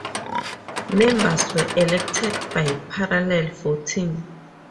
Members were elected by parallel voting.